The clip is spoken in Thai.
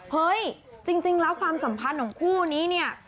เฮ้ยจริงแล้วความสัมพันธ์ของคู่นี้เนี่ย